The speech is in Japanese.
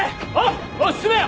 おい進めよ！